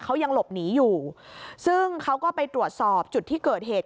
เขายังหลบหนีอยู่ซึ่งเขาก็ไปตรวจสอบจุดที่เกิดเหตุ